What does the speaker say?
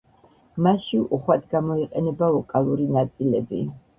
მასში უხვად გამოიყენება ვოკალური ნაწილები.